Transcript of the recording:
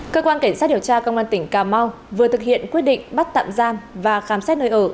cơ quan cảnh sát điều tra công an tỉnh cà mau vừa thực hiện quyết định bắt tạm giam và khám xét nơi ở